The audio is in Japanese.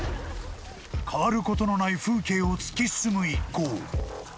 ［変わることのない風景を突き進む一行］